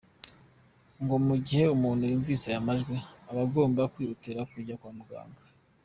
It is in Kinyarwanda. Ngo mu gihe umuntu yumvise aya majwi, aba agomba kwihutira kujya kwa muganga.